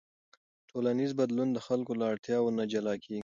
ټولنیز بدلون د خلکو له اړتیاوو نه جلا کېږي.